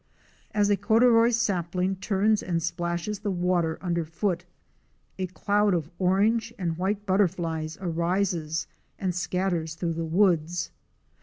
As a corduroy sapling turns and splashes the water under foot, a cloud of orange and white butterflies arises and scatters through the woods.